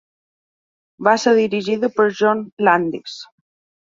Va ser dirigida per John Landis.